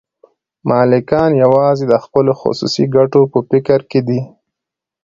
مالکان یوازې د خپلو خصوصي ګټو په فکر کې دي